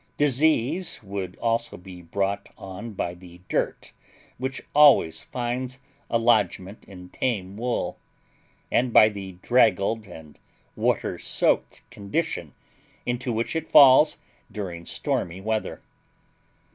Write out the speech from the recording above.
Disease would also be brought on by the dirt which always finds a lodgment in tame wool, and by the draggled and water soaked condition into which it falls during stormy weather.